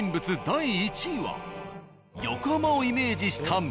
第１位は横浜をイメージした港に。